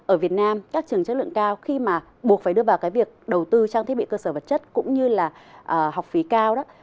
ở việt nam các trường chất lượng cao khi mà buộc phải đưa vào cái việc đầu tư trang thiết bị cơ sở vật chất cũng như là học phí cao đó